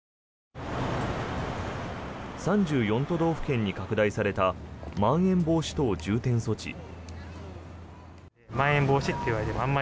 ３４都道府県に拡大されたまん延防止等重点措置。